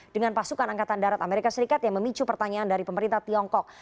dengan pasukan angkatan darat amerika serikat yang memicu pertanyaan dari pemerintah tiongkok